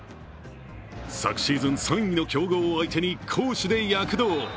昨シーズン３位の強豪を相手に攻守で躍動。